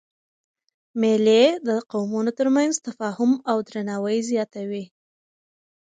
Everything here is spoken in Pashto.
مېلې د قومونو تر منځ تفاهم او درناوی زیاتوي.